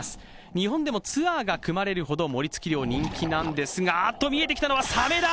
日本でもツアーが組まれるほどモリ突き漁、人気なんですが、見えてきたのはサメだ。